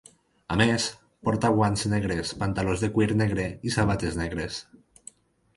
A més, porta guants negres, pantalons de cuir negre i sabates negres.